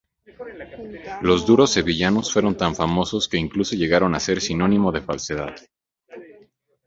Los "duros sevillanos" fueron tan famosos que incluso llegaron a ser sinónimo de falsedad.